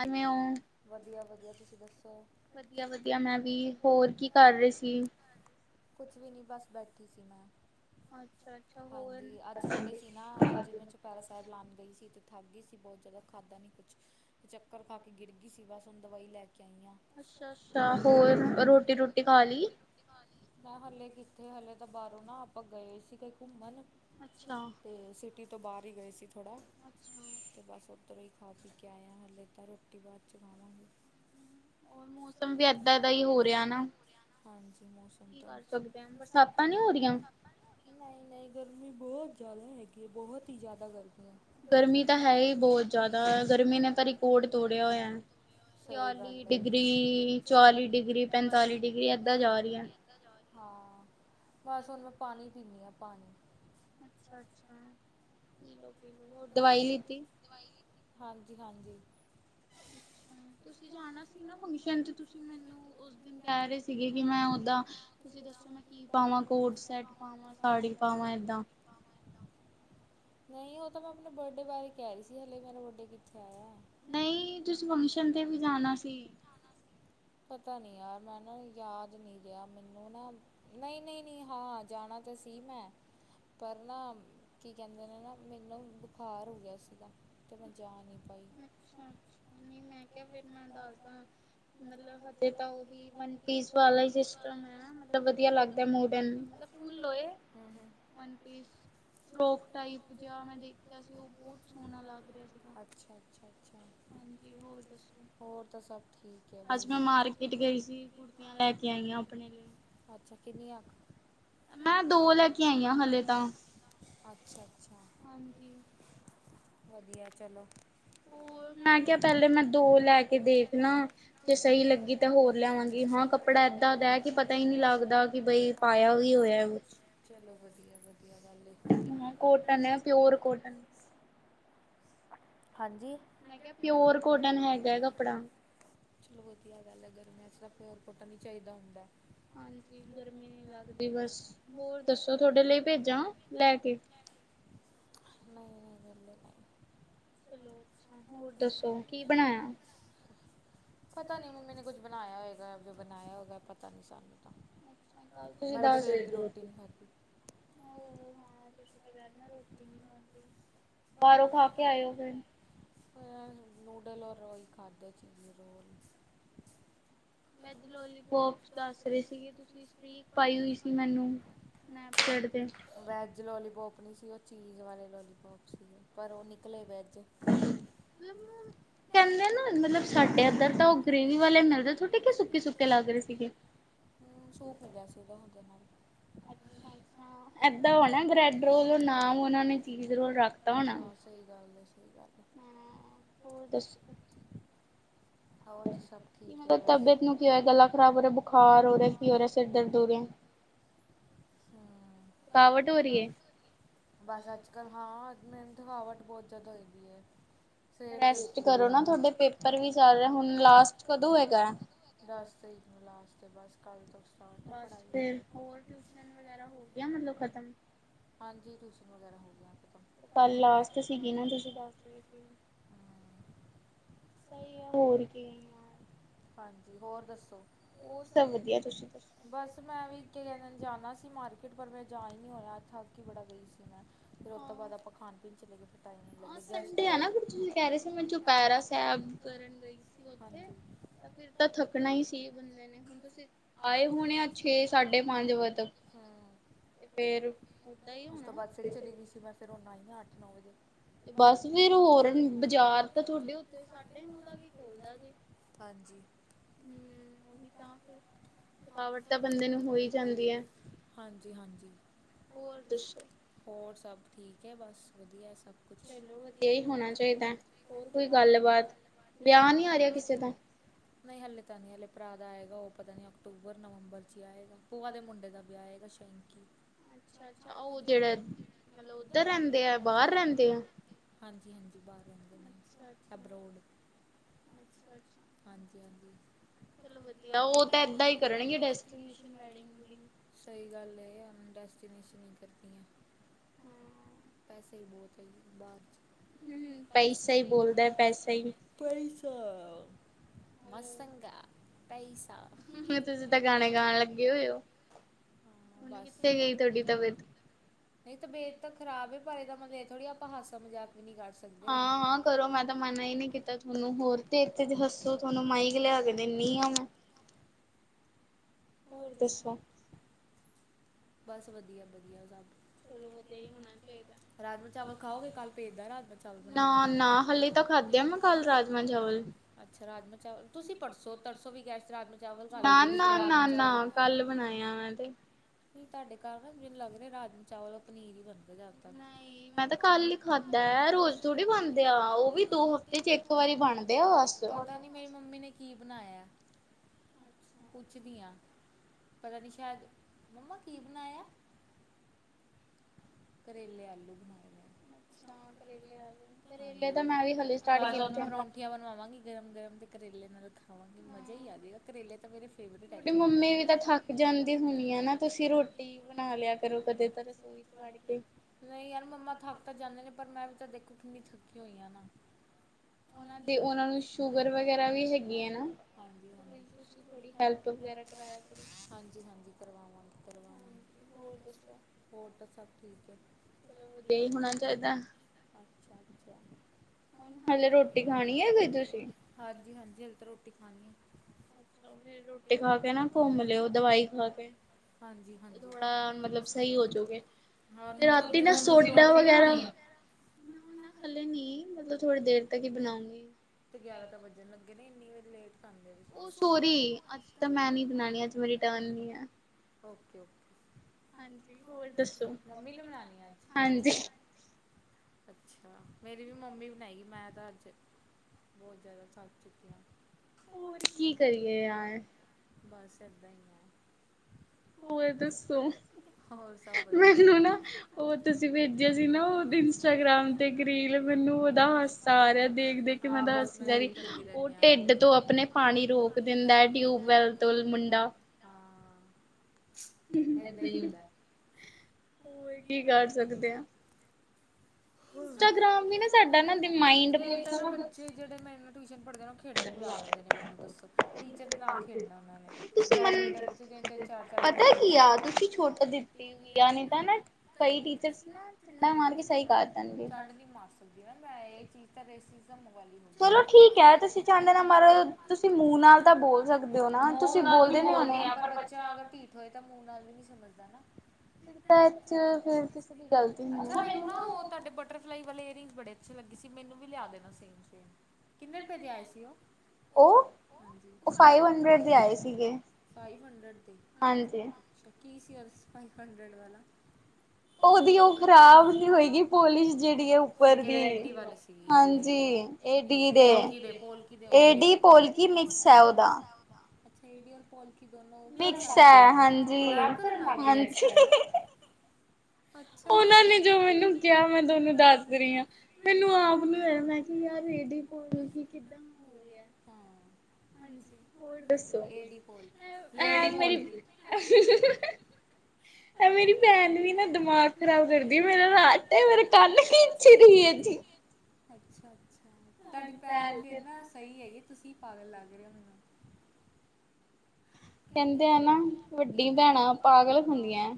ਅ ਮ ਉਹ [inaudible] ਵਧੀਆ ਵਧੀਆ ਤੁਸੀਂ ਦੱਸੋ ਕੁਛ ਵੀ ਨੀ ਬਸ ਬੈਠੀ ਸੀ ਮੈਂ ਹਾਂਜੀ ਅੱਜ ਠੰਡੇ ਸੀ ਨਾ ਅੱਜ ਮੈਂ ਚੁਪੈਰਾ ਸਾਹਿਬ ਲਉਣ ਗਈ ਸੀ ਤੇ ਥੱਕ ਗਈ ਸੀ ਬਹੁਤ ਜ਼ਿਆਦਾ ਖਾਧਾ ਨੀ ਕੁਛ ਚੱਕਰ ਖਾ ਕੇ ਗਿਰ ਗਈ ਬਸ ਹੁਣ ਦਵਾਈ ਲੈ ਕੇ ਆਈ ਹ ਮੈਂ ਹਲੇ ਕਿੱਥੇ ਹਲੇ ਤਾਂ ਬਾਹਰੋਂ ਨਾ ਆਪਾਂ ਗਏ ਸੀ ਘੁੰਮਣ ਤੇ ਸਿਟੀ ਤੋਂ ਬਾਹਰ ਹੀ ਗਏ ਸੀ ਥੋੜਾ ਤੇ ਬਸ ਉਧਰ ਖਾ ਪੀ ਕੇ ਆਇਆ ਹਾਲੇ ਤਾਂ ਰੋਟੀ ਬਾ ਚਗਾਾਉਣਾ ਵੀ ਹੋਰ ਮੌਸਮ ਵੀ ਇਏਦਾਂਏ ਦਾ ਹੀ ਹੋ ਰਿਹਾ ਨਾ ਮੌਸਮ ਨਹੀਂ ਨਹੀਂ ਗਰਮੀ ਬਹੁਤ ਜਿਆਦਾ ਹੈਗੀ ਆ ਬਹੁਤ ਹੀ ਜ਼ਿਆਦਾ ਗਰਮੀ ਤਿਆੀ ਡਿਗਰੀ ਚਵੀ ਡਿਗਰੀ ਪੈਂਤਾਲੀ ਡਿਗਰੀ ਏਦਾਂ ਜਾ ਰਹੀਆਂ [unintelligible] ਬਸ ਹੁਣ ਮੈਂ ਪਾਣੀ ਪੀਨੀ ਹਾਂ [unintelligible] ਅੱਛਾ ਅੱਛਾ ਹੋ ਦਵਾਈ ਲਿੱਤੀ ਹਾਂਜੀ ਹਾਂਜੀ ਅੱਛਾ ਤੁਸੀਂ ਜਾਣਾ ਸੀ ਨਾ ਫੰਕਸ਼ਨ ਤੇ ਤੁਸੀ ਮੈਨੂੰ ਉਸ ਦਿਨ ਕਹਿ ਰਹੇ ਸੀਗੇ ਕਿ ਮੈਂ ਓਦਾਂ ਤੁਸੀਂ ਦੱਸੋ ਮੈਂ ਕੀ ਪਾਵਾਂ ਕੋਟ ਸੈਟ ਪਾਵਾਂ ਸਾੜੀ ਪਾਵਾਂ ਏਦਾਂ ਨਹੀਂ ਉਹ ਤਾਂ ਮੈਂ ਆਪਣੇ ਬਰਡੇ ਬਾਰੇ ਕਹਿ ਰਹੀ ਸੀ ਹਲੇ ਮੇਰਾ ਵਰਡੇ ਖਾਇਆ ਨਹੀਂ ਤੁਸੀਂ ਫੰਕਸ਼ਨ ਤੇ ਵੀ ਜਾਣਾ ਸੀ ਪਤਾ ਨਹੀਂ ਯਾਰ ਮੈਂ ਨਾ ਯਾਦ ਨਹੀਂ ਰਿਹਾ ਮੈਨੂੰ ਨਾ ਨਹੀਂ ਨਹੀਂ ਨਹੀਂ ਹਾਂ ਜਾਣਾ ਤਾਂ ਸੀ ਮੈਂ ਪਰ ਨਾ ਕੀ ਕਹਿੰਦੇ ਨੇ ਨਾ ਮੈਨੂੰ ਬੁਖਾਰ ਹੋ ਗਿਆ ਸੀਗਾ ਅਤੇ ਮੈਂ ਜਾ ਨਹੀਂ ਅੱਛਾ ਅੱਛਾ ਨਹੀਂ ਮੈਂ ਕਿਹਾ ਫਿਰ ਮੈਂ ਦੱਸਦਾ ਮਤਬ ਹਜੇ ਤਾਂ ਪੀਸ ਵਾਲਾ ਸਟਮਬ ਵ ਲਗ ਮਨਬੀ ਫੋ ਜ ਮੈਂ ਦੇ ਸੀ ਉਹ ਬਤ ਸੋਹਣਾ ਲਗਹਾ ਸੀਗਾ ਹੋਰ ਤਾਂ ਸਭ ਠੀਕ ਅੱਜ ਮੈਂ ਮਾਰਕੀਟ ਗਈ ਸੀ ਕੁੜਤੀਆਂ ਲੈ ਕੇ ਆਈਆਂ ਆਪਣੇ ਲਈ ਮੈਂ ਦੋ ਲੈ ਕੇ ਆਈ ਆ ਹਲੇੇ ਤਾਂ ਹਾਂਜੀ ਵਧੀਆ ਚਲੋ ਹੋ ਮੈਂ ਕਿਹਾ ਪਹਿਲੇ ਮੈਂ ਦੋ ਲੈ ਕੇ ਦੇਖ ਲ ਜ ਸਹੀ ਲੱਗੀ ਤੇ ਹੋਰ ਲੈਵਾਂਗੀ ਹਾਂ ਕੱਪੜਾ ਏਦਾਂ ਦਾ ਕਿ ਪਤਾ ਹੀ ਨਹੀਂੀ ਲੱਗਦਾ ਕਿ ਬਈ ਪਾਇਆ ਵੀ ਹੋਇਆ ਹਾਂ ਕੋਟਨ ਆ ਪਿਓਰ ਕੋਟਨ ਮੈਂ ਕਿਹਾ ਪਿਓਰ ਕੋਟਨ ਹੈਗਾ ਕੱਪੜਾ ਚਲੋ ਵਧਆ ਗੱਲ ਹੈ ਗਰਮੀਆਂ ਚ ਤਾਂ ਫ ਪਿਰ ਫੋਟਾ ਨੀ ਚਾਹੀਦਾ ਹੁੰਦਾ ਨਹੀਂ ਨਹੀਂ ਗਰਦੇ ਨਹੀਂ ਚਲੋ ਅੱਛਾ ਹੋਰ ਦੱਸੋ ਕੀ ਬਣਾਇਆ ਕੱਲ ਤੁ ਨਾਲ ਰੋਟੀ ਨੀ ਖਾਂਦੀ ਨੂਡਲ ਔਰ ਰੋਜ਼ ਖਾਧੇ ਚੀਜ਼। ਰੋਲ ਵੈਜ ਲੋਲੀਪੋਪ ਦੱਸ ਰਹੇ ਸੀਗੇ। ਤੁਸੀਂ ਸਟ੍ਰੀਕ ਪਾਈ ਹੋਈ ਸੀ ਮੈਨੂੰ ਸਨੈਪਚੈਟ ਤੇ ਕਹਿੰਦੇ ਨਾ ਮਤਲਬ ਸਾਡੇ ਏਧਰ ਤਾਂ ਉਹ ਗ੍ਰੇਵੀ ਵਾਲੇ ਮਿਲਦੇ ਤੁਹਾਡੇ ਕੀ ਸੁੱਕੇ-ਸੁੱਕੇ ਲੱਗ ਰਹੇ ਸੀਗੇ। [unintelligible] ਹੋ ਗਿਆ ਸੀਗਾ ਉਹਦੇ ਨਾਲ। ਅੱਛਾ-ਅੱਛਾ ਏਦਾਂ ਹੋਣਾ ਬ੍ਰੈਡ-ਰੋਲ ਨਾਮ ਉਹਨਾਂ ਨੇ ਚੀਜ਼-ਰੋਲ ਰੱਖਤਾ ਹੋਣਾ। ਹੁੰ ਹੋਰ ਦੱਸੋ। ਹੋਰ ਤੇ ਸਭ ਠੀਕ ਏ ਬਸ। ਕੀ ਹੋ ਰਿਹਾ? ਸਿਰ ਦਰਦ ਹੋ ਰਿਹਾ। ਬਸ ਅੱਜ ਕਲ, ਹਾਂ ਮੈਨੂੰ ਥਕਾਵਟ ਬਹੁਤ ਜਿਆਦਾ ਹੋ ਜਾਂਦੀ ਏ। ਸਵੇਰ ਦੇ ਉਠੀ ਦੀ ਆਂ ਨਾ, ਦਸ ਤਰੀਕ ਨੂੰ ਲਾਸਟ ਏ ਬਸ। ਕਲ ਤੋਂ ਅਸੀਂ ਬਸ ਫਿਰ ਹੋਰ ਟਿਊਸ਼ਨ ਵਗੈਰਾ ਹੋ ਗਈਆ ਮਤਲਬ ਖਤਮ। ਹਾਂਜੀ, ਟਿਊਸ਼ਨ ਵਗੈਰਾ ਹੋ ਗਈਆ ਖਤਮ। ਕੱਲ ਲਾਸਟ ਸੀਗੀ ਨਾ ਤੁਸੀਂ ਦੱਸ ਰਹੇ ਸੀ। ਸਹੀ ਆ, ਹੋਰ ਕੀ ਯਾਰ। ਹਾਂਜੀ ਹੋਰ ਦਸੋ ਬਸ ਮੈਂ ਵੀ ਕਿਸੇ ਦਿਨ ਜਾਣਾ ਸੀ ਮਾਰਕਿਟ ਪਰ ਮੇਰਾ ਜਾ ਹੀ ਨਹੀਂ ਹੋਇਆ ਥਕ ਹੀ ਬੜਾ ਗਈ ਸੀ ਮੈਂ, ਫਿਰ ਔ ਤੋ ਬਾਦ ਆਪਾਂ ਖਾਣ ਪੀਣ ਚਲੇ ਗਏ ਫੇਰ ਟਾਈਮ ਹੀ ਨਹੀ ਲਗਿਆ। ਗੈਸਟ ਆਏ ਸੀ। ਹਾਂਜੀ। ਫਿਰ ਤਾਂ ਥੱਕਣਾ ਹੀ ਸੀ ਬੰਦੇ ਨੇ, ਹੁਣ ਤੁਸੀਂ ਆਏ ਹੋਣੇ ਆ ਛੇ ਸਾਢੇ ਪੰਜ ਵਜੇ ਤਕ, ਤੇ ਫੇਰ ਉਦਾ ਹੀ ਹੋਣਾ। ਤੇ ਬਸ ਫਿਰ ਹੋਰ ਬਾਜ਼ਾਰ ਤਾਂ ਤੁਹਾਡੇ ਉਥੇ ਸਾਢੇ ਨੋ ਤੱਕ ਹੀ ਖੋਲਦਾ ਜੇ, ਹੁੰ ਉਹੀ ਤਾਂ ਫਿਰ। ਥਕਾਵਟ ਤਾਂ ਬੰਦੇ ਨੂੰ ਹੋ ਹੀ ਜਾਂਦੀ ਏ। ਹੋਰ ਦੱਸੋ? ਬਸ ਵਧੀਆ ਏ ਸਬ। ਚਲੋ ਵਧੀਆ ਹੀ ਹੋਣਾ ਚਾਹੀਦਾ, ਹੋਰ ਕੋਈ ਗੱਲ ਬਾਤ ਵਿਆਹ ਨਹੀ ਆ ਰਿਹਾ ਕਿਸੇ ਦਾ? ਆਏਗਾ ਉਹ ਪਤਾ ਨਹੀਂ ਅਕਤੂਬਰ ਨਵੰਬਰ ਚ ਹੀ ਆਏਗਾ। ਭੂਆ ਦੇ ਮੁੰਡੇ ਦਾ ਵਿਆਹ ਆਏਗਾ। ਅੱਛਾ-ਅੱਛਾ ਉਹ ਜਿਹੜਾ ਮਤਲਬ ਉਧਰ ਰਹਿੰਦੇ ਏ, ਬਾਹਰ ਰਹਿੰਦੇ ਏ, ਆ। ਅੱਛਾ-ਅੱਛਾ, ਅੱਛਾ-ਅੱਛਾ। ਚਲੋ ਵਧੀਆ। ਉਹ ਤਾਂ ਏਦਾਂ ਹੀ ਕਰਨਗੇ ਡੈਸਟੀਨੇਸ਼ਨ ਵੈਡਿੰਗ ਵੁਡਿੰਗ। [unintelligible] ਪੈਸਾ ਹੀ ਬਹੁਤ ਬਾਅਦ ਚ। ਹੁੰ, ਪੈਸਾ ਹੀ ਬੋਲਦਾ ਪੈਸਾ ਹੀ। ਪੈਈਸਾ। ਹੁੰ, ਤੁਸੀਂ ਤਾਂ ਗਾਣੇ ਗਾਣ ਲੱਗੇ ਹੋਏ ਹੋ। ਬਸ, ਨਹੀਂ ਤਬੀਅਤ ਤਾਂ ਖ਼ਰਾਬ ਏ, ਪਰ ਇਦਾ ਮਤਲਬ ਏ ਥੋੜੀ ਹੈ ਕਿ ਆਪਾਂ ਹਾਸਾ ਮਜ਼ਾਕ ਵੀ ਨੀ ਕਰ ਸਕਦੇ। [unintelligible] ਹੱਸੋ ਤੁਹਾਨੂੰ ਮਾਈਕ ਲਿਆ ਕੇ ਦਿਨੀ ਆਂ ਮੈਂ। ਹੋਰ ਦੱਸੋ ਬਸ ਵਧੀਆ ਵਧੀਆ ਸਭ ਵਧ ਹੋਣਾ ਚਾਹੀਦਾ ਨਾ ਨਾ ਹਾਲ ਤ ਖਾਧ ਆ ਮੈਂ ਕੱਲ ਰਾਜਮਾ ਚਾਵਲ ਨਾ ਨਾ ਨਾ ਨਾ ਕੱਲ ਬਣਾਇ ਮੈਂ ਤੇ ਕੀ ਤੁਹਾਡੇ ਘਰ ਨਾ ਜ ਮੈਨੂੰ ਲੱਗਦੇ ਰਾਜਮ ਚਾਵਲ ਉਹ ਪਨੀਰ ਹੀ ਬਣਦਾ [unintelligible] ਪਤਾ ਨੀ ਮੇਰੀ ਮੰਮੀ ਨੇ ਕੀ ਬਣਾਇਆ ਪੁੱਛਦੀ ਹ ਪਤਾ ਨੀ ਸ਼ਾਇਦ ਮੰਮਾ ਕੀ ਬਣਾਇਆ? ਕਰੇਲੇ ਆਲੂ ਬਣਾਏ ਨੇ ਅੱ ਕਰੇ ਕਰੇਲੇ ਤਾਂ ਮੈਂ ਵੀ [unintelligible] [unintelligible] ਮਾ ਹੀ ਆਵੇਗਾ ਕਰੇਲੇ ਤਾਂ ਮੇਰੇ ਫੇਵਰਿਟ ਨੇ ਨਹੀਂ ਯਾਰ ਮੰਮਾ ਥੱਕ ਤਾਂ ਜਾਂਦੇ ਨੇ ਪਰ ਮੈਂ ਵੀ ਤਾਂ ਦੇਖੋ ਕਿੰਨੀ ਥੱਕੀ ਹੋਈ ਆ ਨਾ [unintelligible] ਨੂੰ ਸ਼ੂਗਰ ਵਗੈਰਾ ਵੀ ਹੈਗੀ ਆ ਨਾ [unintelligible] ਵਗੈਰਾ ਵੀ ਕਰਾਇਆ ਕਰੋ ਹੋਰ ਦਸੋ [unintelligible] ਹੋਣਾ ਚਾਹੀਦਾ ਹਲੇੇ ਰੋਟੀ ਖਾਣੀ ਹੈ ਕੋਈ ਤੁਸੀਂ ਰੋਟੀ ਖਾਣੀ ਅੱਛਾ ਰੋਟੀ ਖਾ ਕੇ ਨਾ ਘੁੰਮ ਲਿਓ ਦਵਾਈ ਖਾ ਕੇ ਥੋੜਾ ਮਤਲਬ ਸਹੀ ਹੋਜੋਗੇ ਤੇ ਰਾਤੀ ਨਾ ਸੋਟਾ ਵਗੈਰਾ ਹੱਲੇ ਨੀ ਮਤਲਬ ਥੋੜੀ ਦੇਰ ਤਾਂ ਕਿ ਬਣਾਉਗੀ? ਤੇ ਗਿਆਰਾ ਤਾਂ ਵੱਜਣ ਲੱਗੇ ਨੇ ਇਨੀ ਓਹ ਸੋਰੀ! ਅੱਜ ਤਾਂ ਮੈਂ ਨੀ ਬਣਾਣੀ ਅੱਜ ਮੇਰੀ ਟਰਨ ਨ ਏ। Okay okay. ਹਾਂਜੀ ਹੋਰ ਦੱਸੋ ਮੰਮੀ ਹਾਂਜੀ [inaudible] ਬਹੁਤ ਜਿਆਦਾ ਸੱਚ ਚੁੱਕਿਆ ਹੋਰ ਕੀ ਕਰੀਏ ਯਾਰ? ਬਸ ਏਦਾਂ ਹੀ ਹੈ। ਹੋਰ ਦੱਸੋ ਮੈਨੂੰ ਨਾ ਉਹ ਤੁਸੀਂ ਭੇਜਿਆ ਸੀ ਨਾ ਉਹ ਇੰਸਟਾਗ੍ਰਾਮ ਤੇ ਇੱਕ ਰੀਲ ਮੈਨੂੰ ਉਹਦਾ ਹਾਸਾ ਆ ਰਿਹਾ ਦੇਖ ਦੇਖ ਹਾਂ ਬਸ ਮੈਂ ਕਰਦੀ [unintelligible] ਹਾਂ ਏਦਾਂ ਹੀ ਹੁੰਦਾ ਇੱਕ ਤਾਂ ਨਾ [unintelligible] ਜਿਹੜੇ ਮਨੂੰ ਟਿਊਸ਼ਨ ਪੜ੍ਹਦੇ ਖੇਡਣ ਬੁਲਾ ਲੈਂਦੇ ਨੇ ਮੈਨੂੰ ਦੱਸੋ ਟੀਚਰ ਨਾਲ ਖੇਡਣਾ ਉਹਨਾ ਨੇ ਬੈਡਮਿੰਟਨ ਚ ਤਿੰਨ ਚਾਰ ਚਾਰ ਘੰਟੇ ਚੱਡ ਨ ਮਾਰ ਸਕਦੀ ਨਾ ਮੈਂ ਇਹ ਚੀਜ਼ ਤਾਂ ਰ ਚਲੋ ਠੀਕ ਹੈ ਤੁਸੀਂ ਚਾਹਦੇ ਨਾ ਮ ਤੁਸੀਂ ਮੂੰਹ ਨਾਲ ਤਾਂ ਬੋਲ ਸਕਦੇ ਹੋ ਨਾ ਤੁਸੀਂ ਬੋਲਦੇ ਨ ਫ ਕਿਸੇ ਦੀ ਗਲਤੀ ਅੱਛ ਲੱਗੀ ਸੀ ਮੈਨੂੰ ਵੀ ਆ ਸੀ ਕੀ ਸੀਅਰਸ ਫਾਈਵ ਹੰਡਡ ਵਾਲਾ ਉਹਦੀ ਉਹ ਖ਼ਰਾਬ ਨੀ ਹੋਏਗੀ ਪੋਲਿਸ਼ ਜਿਹੜੀ ਹੈ ਉੱਪਰ ਦੀ ਹਾਂਜੀ ਪੋਲਕੀ ਦੇ ਪੋਲਕੀ ਦੇ ਅੱਛਾ ਡਡੀ ਰ ਪੋਲਕ ਮਿਕਸ ਹੈ ਹਾਂਜੀ ਹਾਂਜੀ ਅੱਛ ਉਹ ਨੇ ਕਿਹਾ ਮੈਂੂੰ ਦੱਸ ਦਿੰਦਾ ਮੈਨੂੰ ਆ ਮੈਨੂੰ ਕੀ ਆਹ ਰੇਡੀ ਪੋਲ ਕੀ ਕਿੱਤਾ ਹਾਂਜੀ ਹੋਰ ਦੱਸੋੇ ਮੇਰੀ ਭੈਣ ਵੀ ਨਾ ਦਿਮਾਗ ਖਰਾਬ ਕਰਦੀ ਮੇਰਾਟ ਮੇਰਾ ਕੱਲ ਵੀ [unintelligible] [unintelligible] ਸਹੀ ਹੈਏ ਤੁਸੀਂ ਪਾਗਲ ਲੱਗ ਰਹੇ ਹੋ ਮੈਨੂੰ ਕਹਿੰਦੇ ਆ ਨਾ ਵੱਡੀ ਭੈਣਾਂ ਪਾਗਲ ਹੁੰਦੀਆਂ ਆ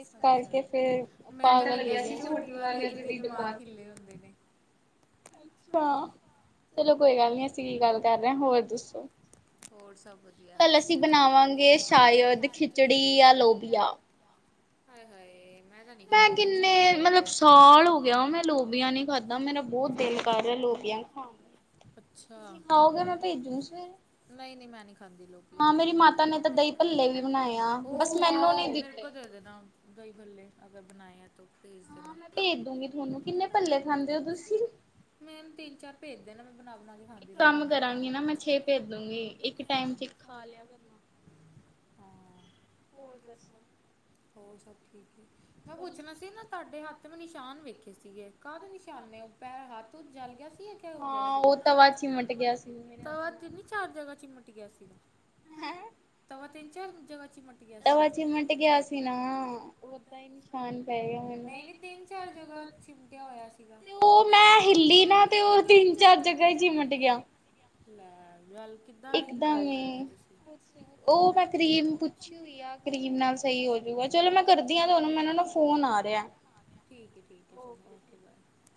ਇਸ ਕਰਕੇ ਫਿਰ [unintelligible] ਅੱਛਾ ਚਲੋ ਕੋਈ ਗੱਲ ਨੀ ਅਸੀਂ ਕੀ ਗੱਲ ਕਰ ਰਹੇ ਹੋਰ ਦੱਸੋ ਅਸੀਂ ਬਣਾਵਾਂਗੇ ਸ਼ਾਇਦ ਖਿਚੜੀ ਜਾਂ ਲੋਬੀਆ ਹਾਏ ਹਾਏ ਮੈਂ ਕਿੰਨੇ ਮਤਲਬ ਸਾਲ ਹੋ ਗਿਆ ਮੈਂ ਲੋਬੀਆਂ ਨੀ ਖਾਧਾ ਮੇਰਾ ਬਹੁਤ ਦਿਲ ਕਰ ਰਿਹਾ ਲੋਬੀਆਂ ਖਾ ਤੁਸੀਂ ਖਾਓਗੇ ਮੈਂ ਭੇਜੂ ਸਵੇਰੇ ਖਾਂਦੀ ਹਾਂ ਮੇਰੀ ਮਾਤਾ ਨੇ ਤਾਂ ਦਹੀ ਭੱਲੇ ਵੀ ਬਣਾਏ ਆ ਬਸ ਮੈਨੂੰ ਨੀ ਦਿੱਤੇ ਬਣਾਇਆ ਤੋਂ ਹਾਂ ਮੈਂ ਭੇਜ ਦੂਗੀ ਤੁਹਾਨੂੰ ਕਿੰਨੇ ਭੱਲੇ ਖਾਂਦੇ ਹੋ ਤੁਸੀਂ ਇੱਕ ਕੰਮ ਕਰਾਂਗੇ ਨਾ ਮੈਂ ਛੇ ਭੇਜ ਦੋਗੀ ਇੱਕ ਟਮ ਖਾ ਲਿਆ ਕਰਨਾ ਹੋਰ ਦੱਸੋ ਹੋਰ ਸਭ ਠੀਕ ਹੈ ਮੈਂ ਪੁੱਛਣਾ ਸੀ ਨਾ ਤੁਹਾਡੇ ਹੱਥ ਮੈਂ ਨਿਸ਼ਾਨ ਵੇਖੇ ਸੀਗੇ ਕਾਹ ਦੇ ਨਿਸ਼ਾਨੇ ਉਪੈਰ ਹੱਥ ਜਲ ਗਿਆ ਸੀ ਕ ਹੋ ਗਿਆ ਸੀ ਤਵਾ ਚ ਨੀ ਚਾਰ ਜਗ੍ਹਾ ਚਮਟ ਗਿਆ ਸੀਗਾ ਤਵਾ ਚਮਟ ਗਿਆ ਸੀ ਨਾ ਓਦਾਂ ਹੀ ਨਿਸ਼ਾਨ ਪੈ ਨਹੀਂ ਨਹੀਂ ਤਿੰਨ ਚਾਰ ਜਗਾ ਚਿਮਟਿਆ ਹੋਇਆ ਸੀਗਾ ਲੈ ਗੱਲ ਇਕਦਮ ਹੀ ਕੁਛ ਨ ਉਹ ਮੈਂ ਕਰੀਮ ਪੁੱਛੀ ਹੋਈ ਆ ਕਰੀਮ ਨਾਲ ਸਹੀ ਹੋਜੂਗਾ ਚਲੋ ਮੈਂ ਕਰਦੀ ਹਾਂ ਦੋਨੂੰ ਮੈਂ ਉਹ ਨੂੰ ਫੋਨ ਆ ਠੀਕ ਹੈ ਠੀਕ ਹੈ ਚਲੋ ਓਕੇ ਬਾਏ